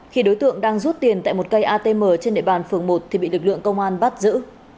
khi đối tượng đang rút tiền tại một cây atm trên địa bàn phường một thì bị lực lượng công an bắt giữ